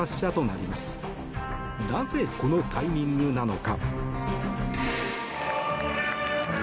なぜ、このタイミングなのか。